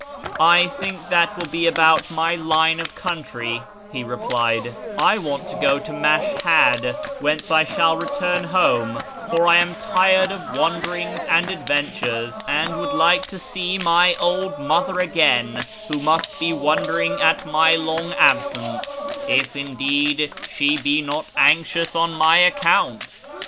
" I think that will be about my line of country," he replied, " I want to get to Mashhad, whence I shall return home, for I am tired of wanderings and adventures, and would like to see my old mother again, who must be wondering at my long absence, if, indeed, she be not anxious on my account."